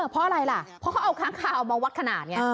เพราะอะไรล่ะเพราะเขาเอาค้างคาวมาวัดขนาดไง